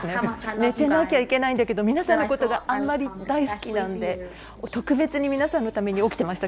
寝てなきゃいけないけど皆さんのことがあまりに好きなので、特別に皆さんのために起きていました。